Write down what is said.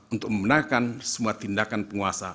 untuk memenangkan semua tindakan penguasa